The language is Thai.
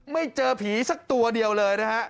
ไม่เจอผีสักตัวเดียวเลยนะฮะ